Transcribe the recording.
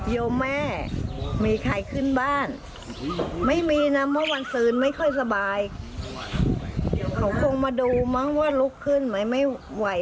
เจอก็ไม่คุ้มท่องบ้านเนี่ย